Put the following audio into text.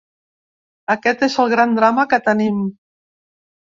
Aquest és el gran drama que tenim.